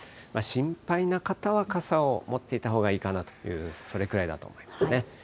心配な方は傘を持っていたほうがいいかなという、それくらいだと思います。